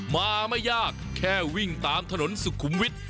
มาไม่ยากแค่วิ่งตามถนนสุขุมวิทย์